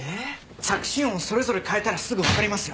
着信音をそれぞれ変えたらすぐわかりますよ。